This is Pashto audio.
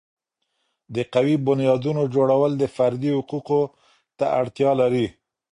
د قوي بنیادونو جوړول د فردي حقوقو ته اړتیا لري.